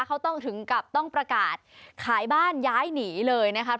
เขาต้องถึงกับต้องประกาศขายบ้านย้ายหนีเลยนะครับ